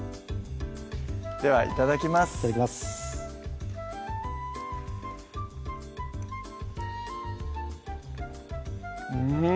ではいただきますいただきますうん！